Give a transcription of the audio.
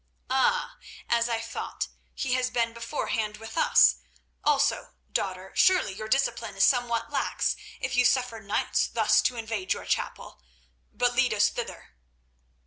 "Ah! as I thought, he has been beforehand with us. Also, daughter, surely your discipline is somewhat lax if you suffer knights thus to invade your chapel. But lead us thither."